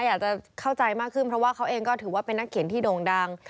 อยากจะเข้าใจมากขึ้นเพราะว่าเขาเองก็ถือว่าเป็นนักเขียนที่โด่งดัง